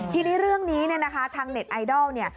ทีนี้เรื่องนี้เนี่ยนะคะทางเน็ตไอดอลเนี่ย